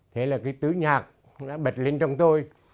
thế là cái tứ nhạc đã bật lên trong tôi